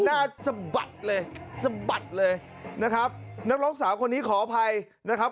สะบัดเลยสะบัดเลยนะครับนักร้องสาวคนนี้ขออภัยนะครับ